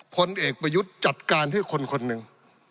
คนเอกประยุทธ์จัดการให้คนนึง